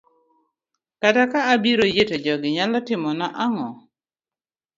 kata ka abiro yie to jogi nyalo timona ang'o?